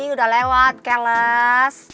udah lewat keles